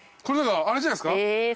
これ何かあれじゃないすか？